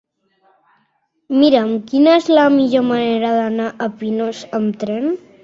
Mira'm quina és la millor manera d'anar a Pinós amb tren.